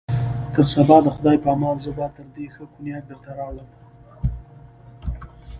تر سبا د خدای په امان، زه به تر دې ښه کونیاک درته راوړم.